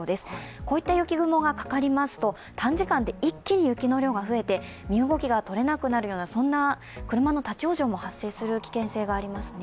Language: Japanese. こういった雪雲がかかりますと、短時間で一気に雪の量が増えて、身動きが取れなくなるようなそんな車の立往生が発生する危険もありますね。